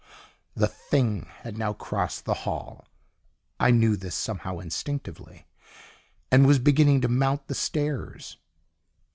The THING had now crossed the hall (I knew this somehow instinctively) and was beginning to mount the stairs.